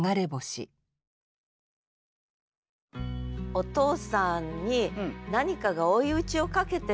お父さんに何かが追い打ちをかけてるわけですよね。